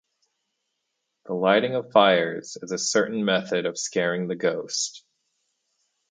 The lighting of fires is a certain method of scaring the ghost.